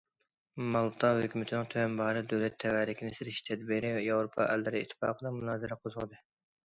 مالتا ھۆكۈمىتىنىڭ تۆۋەن باھادا دۆلەت تەۋەلىكىنى سېتىش تەدبىرى ياۋروپا ئەللىرى ئىتتىپاقىدا مۇنازىرە قوزغىدى.